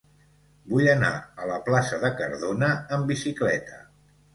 Vull anar a la plaça de Cardona amb bicicleta.